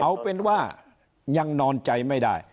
เอาเป็นว่ายังนอนใจไม่ได้